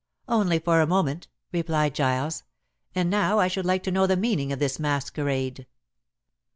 "Only for a moment," replied Giles. "And now I should like to know the meaning of this masquerade?"